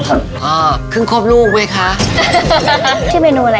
ครับอ๋อครึ่งควบลูกไว้ค่ะชื่อแมนวอะไร